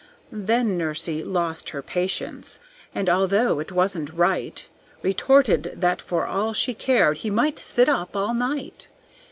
Then Nursey lost her patience, and although it wasn't right, Retorted that for all she cared he might sit up all night.